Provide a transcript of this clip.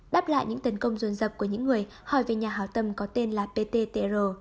đáp lại những tấn công dồn dập của những người hỏi về nhà hảo tâm có tên là pttr